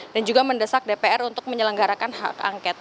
dan juga mendesak dpr untuk menyelenggarakan hak angket